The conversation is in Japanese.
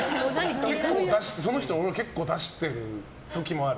その人結構出してる時もある。